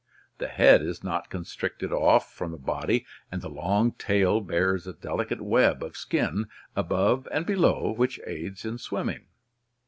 The head is not constricted off from the body and the long tail bears a delicate web of skin above and below which aids in swimming.